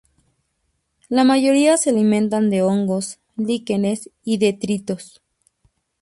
La mayoría se alimentan de hongos, líquenes y detritos.